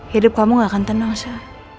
hidup kamu gak akan tenang saya